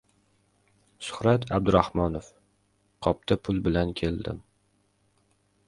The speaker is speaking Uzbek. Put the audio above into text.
Shuhrat Abdurahmonov: «Qopda pul bilan keldim...»